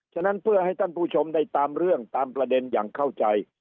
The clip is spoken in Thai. ฉะนั้นเพื่อให้ท่านผู้ชมได้ตามเรื่องตามประเด็นอย่างเข้าใจ